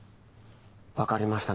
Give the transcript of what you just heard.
わかりました